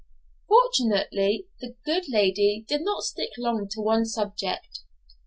Fortunately the good lady did not stick long to one subject.